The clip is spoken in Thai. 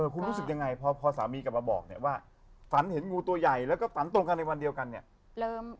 คุณรู้สึกยังไงพอสามีกลับมาบอกเนี่ยว่าฝันเห็นงูตัวใหญ่แล้วก็ฝันตรงกันในวันเดียวกันเนี่ย